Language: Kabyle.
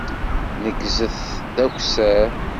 Neggzet d akessar.